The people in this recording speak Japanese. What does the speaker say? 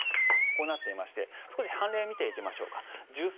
こうなっていまして少し見ていきましょうか。